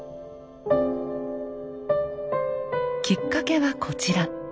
きっかけはこちら。